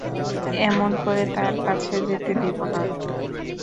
এমন করে তার কাছে যেতে দেব না।